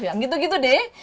yang gitu gitu deh